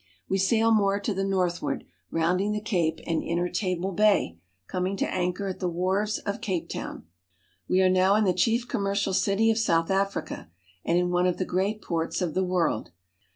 We sail more to the northward, rounding the Cape, and enter Table Bay, coming to anchor at the wharves of Cape Town. We are now in the chief commercial city of South Africa and in one of the great ports of the world.